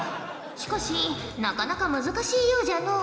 しかしなかなか難しいようじゃのう。